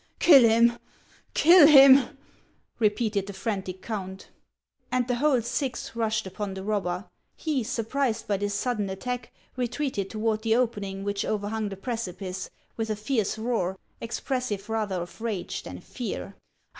" Kill him ! kill him !" repeated the frantic count. And the whole six rushed upon the robber. He, sur prised by this sudden attack, retreated toward the opening which overhung the precipice, with a fierce roar, expressive rather of rage than fear.